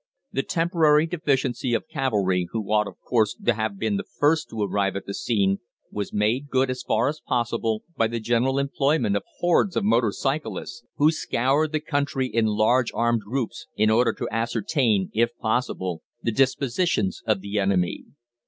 The temporary deficiency of cavalry, who ought, of course, to have been the first to arrive at the scene, was made good as far as possible by the general employment of hordes of motor cyclists, who scoured the country in large armed groups, in order to ascertain, if possible, the dispositions of the enemy.